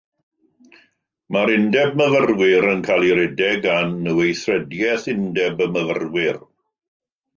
Mae'r undeb myfyrwyr yn cael ei redeg gan Weithrediaeth Undeb y Myfyrwyr.